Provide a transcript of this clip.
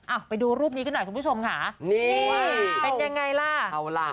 อ่ะไปดูรูปนี้กันหน่อยคุณผู้ชมค่ะนี่เป็นยังไงล่ะเอาล่ะ